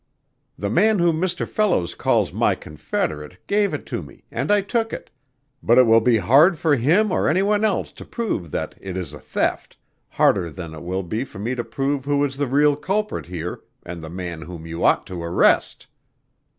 "The man whom Mr. Fellows calls my confederate gave it to me and I took it; but it will be hard for him or any one else to prove that it is a theft, harder than it will be for me to prove who is the real culprit here and the man whom you ought to arrest.